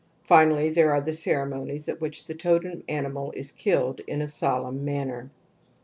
Finally there are the ceremonies at which the totem animal is killed in a solemn manner •.